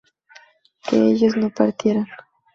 que ellos no partieran